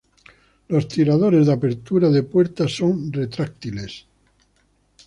Los tiradores de apertura de puerta son retráctiles.